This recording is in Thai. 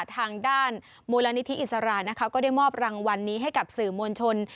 ทางด้านมูลนิธิอิสรานะคะก็ได้มอบรางวัลนี้ให้กับสื่อมวลชน